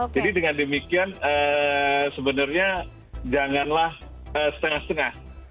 jadi dengan demikian sebenarnya janganlah setengah setengah